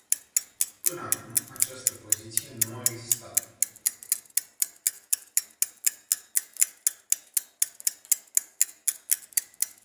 Până acum această poziție nu a existat.